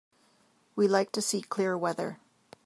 We like to see clear weather.